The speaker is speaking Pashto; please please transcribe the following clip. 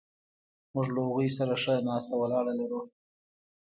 موږ له هغوی سره ښه ناسته ولاړه لرو.